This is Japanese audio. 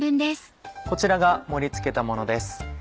こちらが盛り付けたものです。